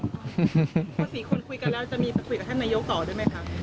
พอสี่คนคุยกันแล้วจะมีจะคุยกับท่านนายกต่อได้มั้ยครับ